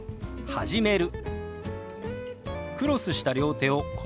「始める」。